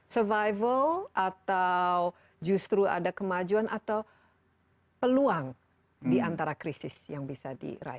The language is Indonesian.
survival atau justru ada kemajuan atau peluang diantara krisis yang bisa diraih